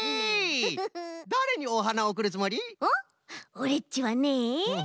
オレっちはね